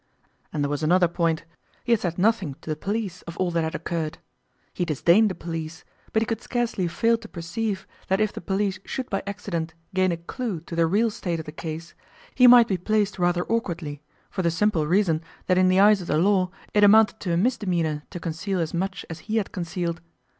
And there was another point: he had said nothing to the police of all that had occurred. He disdained the police, but he could scarcely fail to perceive that if the police should by accident gain a clue to the real state of the case he might be placed rather awkwardly, for the simple reason that in the eyes of the law it amounted to a misdemeanour to conceal as much as he had concealed.